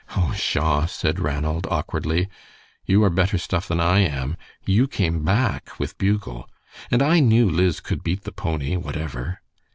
"Oh, pshaw!" said Ranald, awkwardly. "You are better stuff than I am. You came back with Bugle. And I knew Liz could beat the pony whatever."